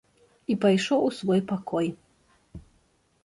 І пайшоў у свой пакой.